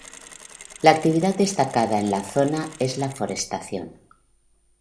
La actividad destacada en la zona es la forestación.